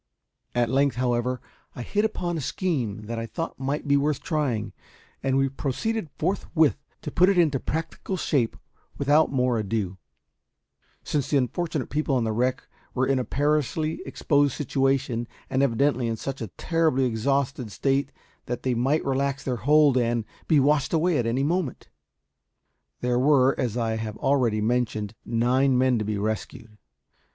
At length, however, I hit upon a scheme that I thought might be worth trying; and we proceeded forthwith to put it into practical shape without more ado, since the unfortunate people on the wreck were in a perilously exposed situation, and evidently in such a terribly exhausted state that they might relax their hold, and be washed away at any moment. There were, as I have already mentioned, nine men to be rescued.